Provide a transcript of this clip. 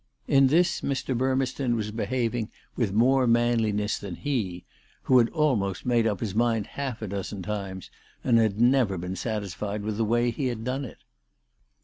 In this Mr. Burmeston was behaving with more manliness than he, who had almost made up his mind half a dozen times, and had never been satisfied with the way he had done it.